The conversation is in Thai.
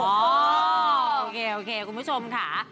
โอเคคุณผู้ชมค่ะ